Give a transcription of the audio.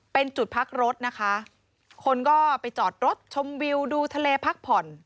เป็นจุดพักรถนะคะคนก็ไปจอดรถชมวิวดูทะเลพักผ่อน